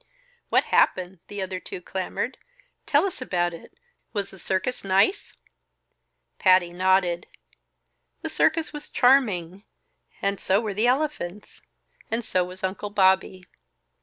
"What happened?" the other two clamored. "Tell us about it! Was the circus nice?" Patty nodded. "The circus was charming and so were the elephants and so was Uncle Bobby.